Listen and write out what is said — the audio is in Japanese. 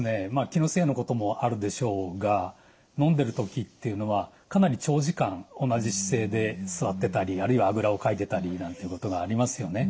気のせいのこともあるでしょうが飲んでる時っていうのはかなり長時間同じ姿勢で座ってたりあるいはあぐらをかいてたりなんていうことがありますよね。